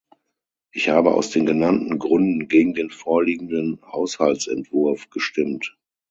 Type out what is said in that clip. Ich habe aus den genannten Gründen gegen den vorliegenden Haushaltsentwurf gestimmt.